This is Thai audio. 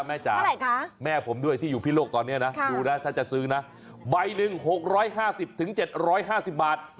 จ๋าแม่ผมด้วยที่อยู่พิโลกตอนนี้นะดูนะถ้าจะซื้อนะใบหนึ่ง๖๕๐๗๕๐บาท